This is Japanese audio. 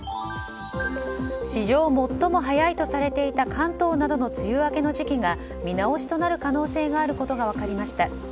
史上最も早いとされていた関東などの梅雨明けの時期が見直しとなる可能性があることが分かりました。